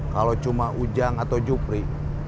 kalau cuma ujang atau jupri